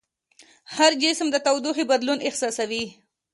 هر جسم د تودوخې بدلون احساسوي.